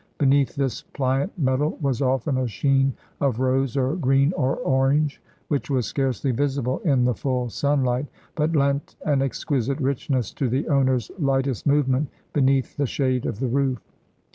Beneath this pHant metal was often a sheen of rose or green or orange, which was scarcely visible in the full sunHght, but lent an exquisite richness to the owner's lightest movement beneath the shade of the roof.